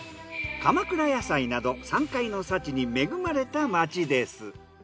鎌倉野菜など山海の幸に恵まれた街です。